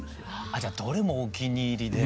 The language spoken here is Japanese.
あっじゃどれもお気に入りで。